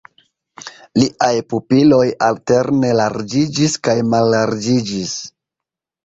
Liaj pupiloj alterne larĝiĝis kaj mallarĝiĝis.